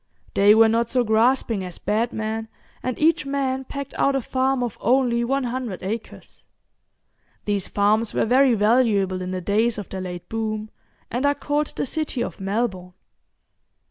They were not so grasping as Batman, and each man pegged out a farm of only one hundred acres. These farms were very valuable in the days of the late boom, and are called the city of Melbourne.